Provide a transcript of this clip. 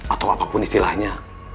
atau apapun istilahnya